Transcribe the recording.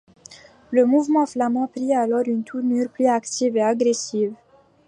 Le mouvement flamand prit alors une tournure plus active et agressive.